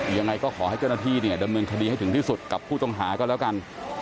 ยังไงก็ขอให้เจ้าหน้าที่เนี่ยดำเนินคดีให้ถึงที่สุดกับผู้ต้องหาก็แล้วกัน